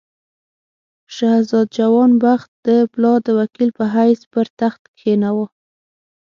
شهزاده جوان بخت د پلار د وکیل په حیث پر تخت کښېناوه.